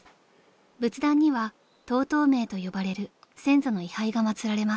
［仏壇にはトートーメーと呼ばれる先祖の位牌が祭られます］